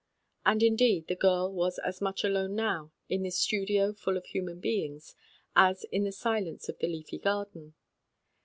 And indeed, the girl was as much alone now, in this studio full of human beings, as in the silence of the leafy garden.